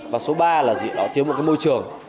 và số ba là họ thiếu một cái môi trường